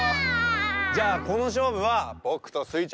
じゃあこのしょうぶはぼくとスイちゃんが。